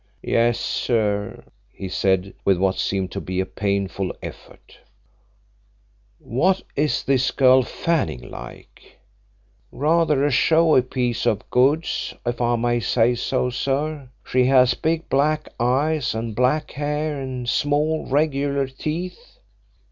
"Yes, sir," he said, with what seemed to be a painful effort. "What is this girl Fanning like?" "Rather a showy piece of goods, if I may say so, sir. She has big black eyes, and black hair and small, regular teeth."